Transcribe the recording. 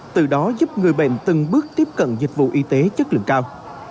từ đó giúp người bệnh từng bước tiếp cận dịch vụ y tế chất lượng cao